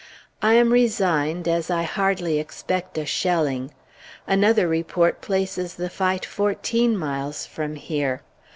I am resigned, as I hardly expect a shelling. Another report places the fight fourteen miles from here.